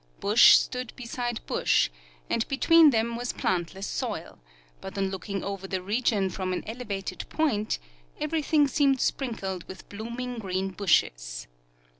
Bush stood beside bush, and between them was plantless soil ; but on looking over the region from an elevated point, everything seemed sprinkled with bloom ing green bushes.